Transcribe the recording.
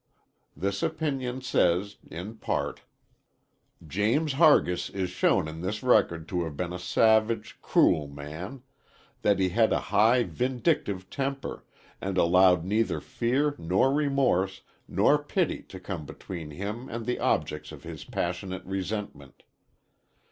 This opinion says (in part): "James Hargis is shown in this record to have been a savage, cruel man; that he had a high, vindictive temper, and allowed neither fear, nor remorse, nor pity to come between him and the objects of his passionate resentment....